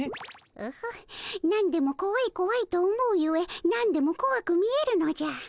オホッ何でもこわいこわいと思うゆえ何でもこわく見えるのじゃ。